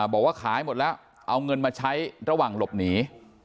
บอกว่าขายหมดแล้วเอาเงินมาใช้ระหว่างหลบหนี